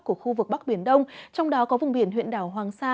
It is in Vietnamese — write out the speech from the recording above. của khu vực bắc biển đông trong đó có vùng biển huyện đảo hoàng sa